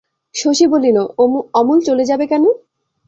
শশী বলিল, অমূল চলে যাবে কেন?